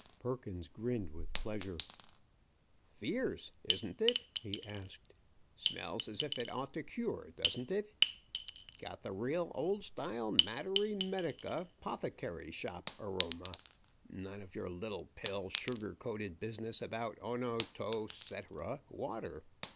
Perkins grinned with pleasure. "Fierce, isn't it?" he asked. "Smells as if it ought to cure, don't it? Got the real old style matery medica 'pothecary shop aroma. None of your little pill, sugar coated business about O no to cetera water.